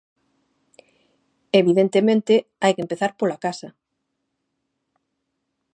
Evidentemente, hai que empezar pola casa.